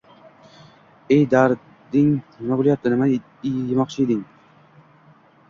ey darding nima bo‘lyapti, nima ekmoqchi eding